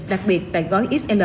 đặc biệt tại gói xl ba